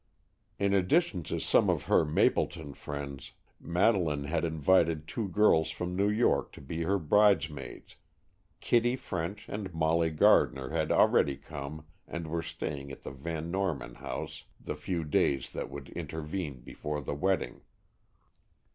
In addition to some of her Mapleton friends, Madeleine had invited two girls from New York to be her bridesmaids. Kitty French and Molly Gardner had already come and were staying at the Van Norman house the few days that would intervene before the wedding.